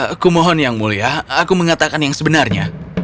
aku mohon yang mulia aku mengatakan yang sebenarnya